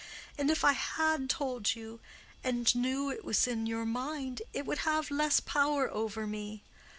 And if I had told you, and knew it was in your mind, it would have less power over me.